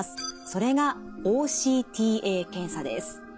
それがＯＣＴＡ検査です。